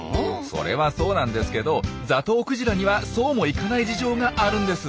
それはそうなんですけどザトウクジラにはそうもいかない事情があるんです。